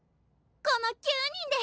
この９人で！